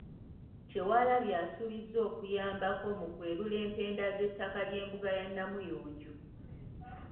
Kyewalabye asuubizza okuyambako mu kwerula empenda z'ettaka ly'embuga ya Namuyonjo.